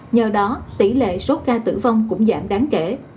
nhờ đó tỷ lệ số ca tử vong cũng giảm đáng kể